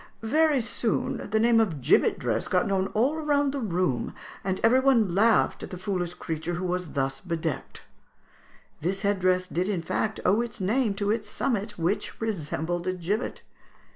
Very soon the name of 'gibbet dress' got known all round the room, and every one laughed at the foolish creature who was thus bedecked." This head dress did in fact owe its name to its summit, which resembled a gibbet.